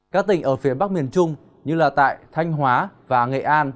các tỉnh ở phía bắc miền trung như tại thanh hóa và nghệ an